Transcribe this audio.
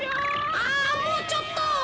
あもうちょっと。